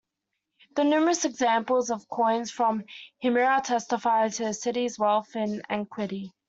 The numerous examples of coins from Himera testify to the city's wealth in antiquity.